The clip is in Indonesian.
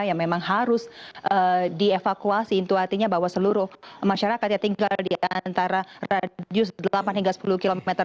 yang memang harus dievakuasi itu artinya bahwa seluruh masyarakat yang tinggal di antara radius delapan hingga sepuluh km